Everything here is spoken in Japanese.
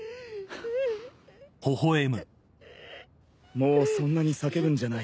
もうそんなに叫ぶんじゃない。